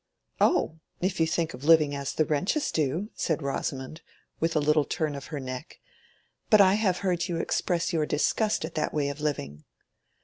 "Oh, if you think of living as the Wrenches do!" said Rosamond, with a little turn of her neck. "But I have heard you express your disgust at that way of living."